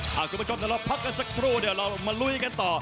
ถ้าคุณผู้ชมจะรอพักกันสักครู่เดี๋ยวเรามาลุ้ยกันต่อ